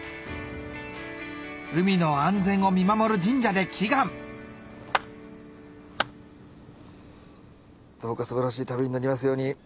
海の安全を見守る神社で祈願どうか素晴らしい旅になりますように。